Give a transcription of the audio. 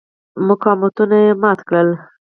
مقاومتونه یې مات کړل.